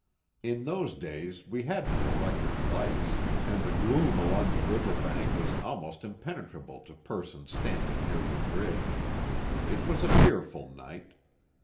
In those days we had no electric lights, and the gloom along the river bank was almost impenetrable to persons standing near the bridge. It was a fearful night.